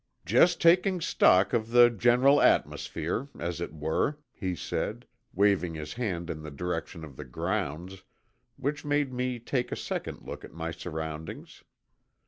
"Just taking stock of the general atmosphere, as it were," he said, waving his hand in the direction of the grounds, which made me take a second look at my surroundings.